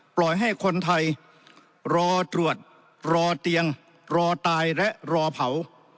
ปล่อยให้คนไทยรอตรวจรอเตียงรอตายและรอเผา